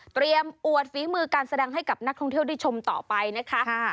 อวดฝีมือการแสดงให้กับนักท่องเที่ยวได้ชมต่อไปนะคะ